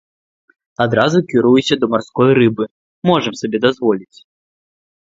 Адразу кіруюся да марской рыбы, можам сабе дазволіць!